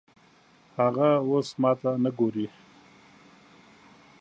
هغه اوس ماته نه ګوري